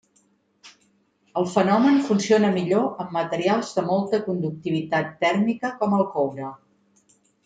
El fenomen funciona millor amb materials de molta conductivitat tèrmica com el coure.